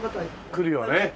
来るよね。